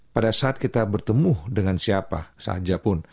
pada saat kita bertemu dengan siapa saja pun